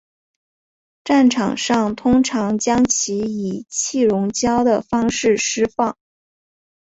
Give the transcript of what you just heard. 战场上通常将其以气溶胶的方式施放。